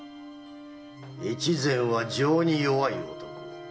越前は情に弱い男。